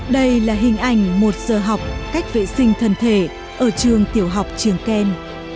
đây là hình ảnh một giờ học cách vệ sinh thân thể ở trường tiểu học trường ken